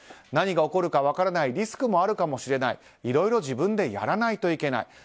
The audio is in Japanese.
何が起こるか分からないリスクもあるかもしれないいろいろ自分でやらないといけない。